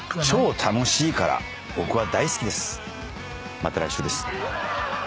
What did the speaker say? また来週です。